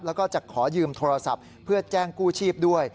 แล้วก็จะขอยืมโทรศัพท์เพื่อแจ้งกู้ชีพด้วย